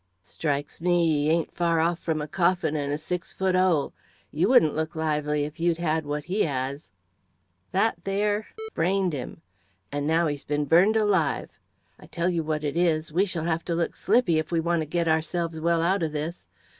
"Strikes me he ain't far off from a coffin and a six foot 'ole. You wouldn't look lively if you'd had what he 'as. That there brained 'im, and now he's been burned alive. I tell you what it is, we shall have to look slippy if we want to get ourselves well out of this.